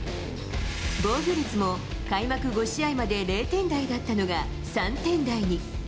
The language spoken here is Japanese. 防御率も開幕５試合まで０点台だったのが、３点台に。